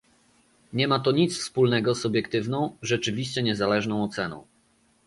Nie ma to nic wspólnego z obiektywną, rzeczywiście niezależną oceną